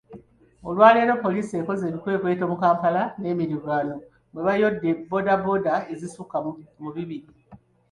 Olwaleero Poliisi ekoze ebikwekweto mu Kampala n'emirirwano mwe bayodde bbooda bbooda ezisukka mu bibiri.